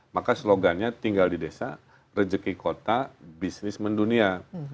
maka slogannya tinggal di desa rejeki kota bisnis mendunia